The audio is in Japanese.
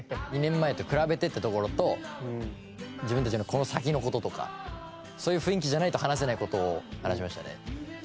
２年前と比べてってところと自分たちのこの先の事とかそういう雰囲気じゃないと話せない事を話しましたね。